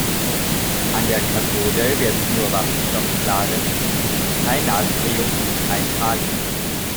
An der Kathode wird nur Wasserstoff entladen, kein Natrium und kein Kalium.